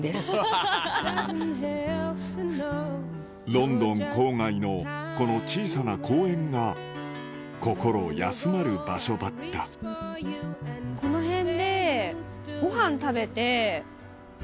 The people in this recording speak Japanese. ロンドン郊外のこの小さな公園が心休まる場所だったヤダかわいい！